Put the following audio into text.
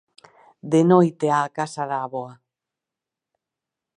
de noite á casa da avoa.